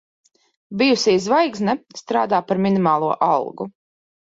Bijusī zvaigzne strādā par minimālo algu.